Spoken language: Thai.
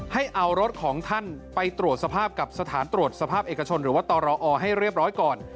ให้เอารถของท่านไปตรวจสภาพกับสถานตรวจสภาพเอกชนหรือว่าตรอให้เรียบร้อยก่อน